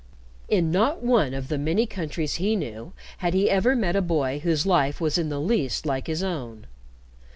In not one of the many countries he knew had he ever met a boy whose life was in the least like his own.